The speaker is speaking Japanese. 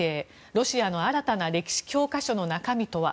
ロシアの新たな歴史教科書の中身とは。